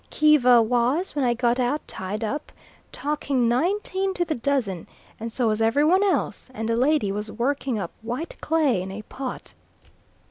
Kiva was, when I got out, tied up, talking nineteen to the dozen; and so was every one else; and a lady was working up white clay in a pot.